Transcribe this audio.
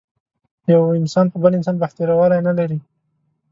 یو انسان په بل انسان بهتر والی نه لري.